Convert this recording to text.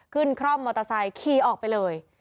คร่อมมอเตอร์ไซค์ขี่ออกไปเลย